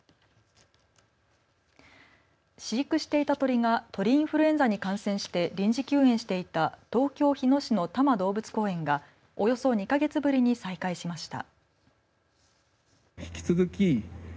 飼育していた鳥が鳥インフルエンザに感染して臨時休園していた東京日野市の多摩動物公園がおよそ２か月ぶりに再開しました。